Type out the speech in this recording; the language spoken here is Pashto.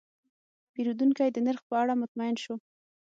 پیرودونکی د نرخ په اړه مطمین شو.